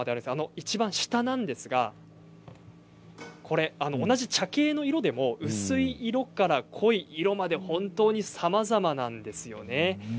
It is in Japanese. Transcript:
いちばん下は同じ茶系の色でも薄い色から濃い色までさまざまなんです。